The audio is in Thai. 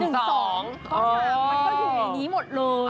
ก็อยู่ในนี้หมดเลย